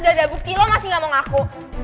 jelas dua udah ada bukti lo masih gak mau ngaku